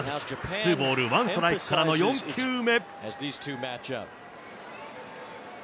ツーボールワンストライクからの４球目。